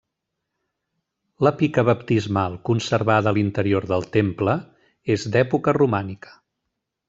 La pica baptismal conservada a l'interior del temple, és d'època romànica.